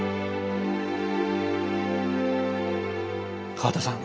河田さん